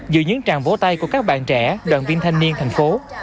dưới những tràng vỗ tay của các bạn trẻ đoàn viên thanh niên thành phố